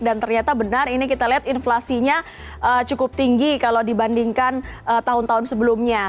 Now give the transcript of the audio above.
dan ternyata benar ini kita lihat inflasinya cukup tinggi kalau dibandingkan tahun tahun sebelumnya